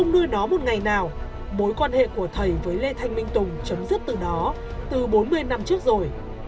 nơi đó một ngày nào mối quan hệ của thầy với lê thanh minh tùng chấm dứt từ đó từ bốn mươi năm trước rồi